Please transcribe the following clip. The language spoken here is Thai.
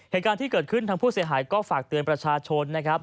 เหตุการณ์ที่เกิดขึ้นทางผู้เสียหายก็ฝากเตือนประชาชนนะครับ